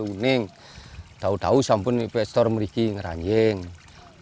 kami tidak tahu apa yang akan terjadi ketika investor ini masuk